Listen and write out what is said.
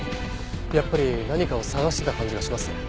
やっぱり何かを探してた感じがしますね。